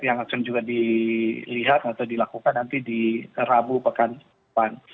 yang akan juga dilihat atau dilakukan nanti di rabu pekan depan